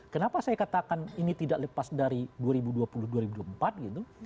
kenapa saya katakan ini tidak lepas dari dua ribu dua puluh dua ribu dua puluh empat gitu